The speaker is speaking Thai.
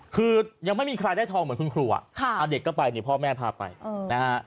คือยังไม่มีใครได้ทองเหมือนคุณครูเด็กก็ไปเนี่ยพ่อแม่พาไปนะฮะ